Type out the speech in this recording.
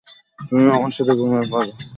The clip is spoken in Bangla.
তুমিও আমার সাথে ঘুমিয়ে পড়।